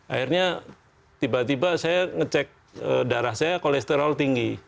akhirnya tiba tiba saya ngecek darah saya kolesterol tinggi